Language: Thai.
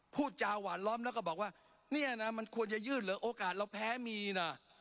พูดจาหวานล้อมแล้วก็บอกว่าเนี่ยนะมันควรจะยื่นเหรอโอกาสเราแพ้มีนะ